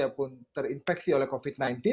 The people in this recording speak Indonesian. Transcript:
ataupun terinfeksi oleh covid sembilan belas